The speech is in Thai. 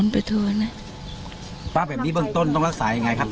ป้าแบบนี้เบื้องต้นต้องรักษายังไงครับ